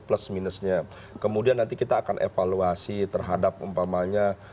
plus minusnya kemudian nanti kita akan evaluasi terhadap umpamanya calon tunggal batas bawah batas